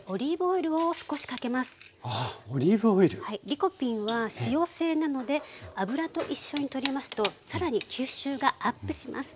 リコピンは脂溶性なので油と一緒にとりますと更に吸収がアップします。